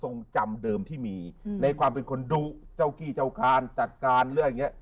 ในความเป็นคนดูเจ้ากี้เจ้าการจัดการอะไรอย่างเนี้ย